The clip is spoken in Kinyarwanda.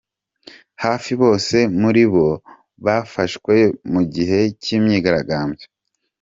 Hafi bose muri bo bafashwe mu gihe cy’imyigaragambyo.